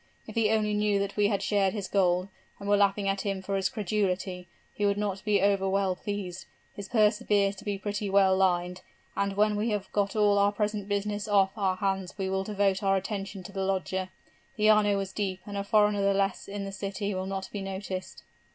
If he only knew that we had shared his gold, and were laughing at him for his credulity, he would not be over well pleased. His purse appears to be pretty well lined, and when we have got all our present business off our hands we will devote our attention to the lodger. The Arno is deep and a foreigner the less in the city will not be noticed.'